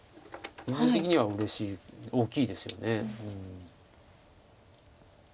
部分的にはうれしい大きいですよね。